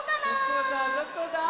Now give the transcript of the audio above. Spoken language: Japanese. どこだどこだ？